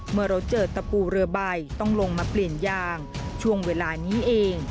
เมื่อเราเจอตะปูเรือใบต้องลงมาเปลี่ยนยางช่วงเวลานี้เอง